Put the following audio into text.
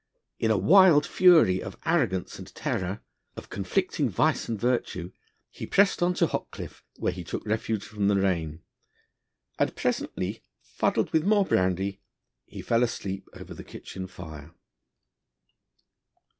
In a wild fury of arrogance and terror, of conflicting vice and virtue, he pressed on to Hockcliffe, where he took refuge from the rain, and presently, fuddled with more brandy, he fell asleep over the kitchen fire.